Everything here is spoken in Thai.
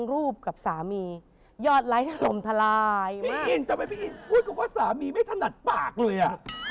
พูดกับว่าสามีไม่ชนัดปากเลยอะ